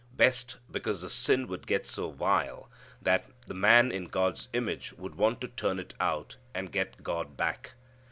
Best, because the sin would get so vile that the man in God's image would want to turn it out, and get God back.